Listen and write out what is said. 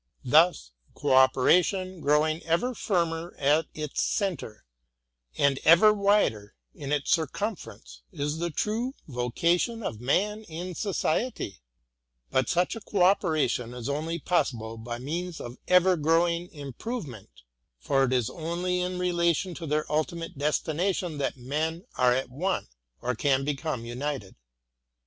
Thus co operation growing* ever firmer at its centre, and ever wider in its circumference, is the true vocation of man in Society: — but such a co operation is only possible by means of ever growing improvement; for it is only in relation to their ultimate destination that men are at one, or can become united.